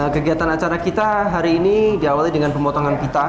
kegiatan acara kita hari ini diawali dengan pemotongan pita